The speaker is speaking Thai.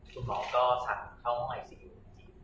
คุณหมอก็สั่งเข้าห้องไอซียู